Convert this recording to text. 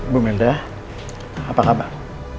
bu melda apa kabar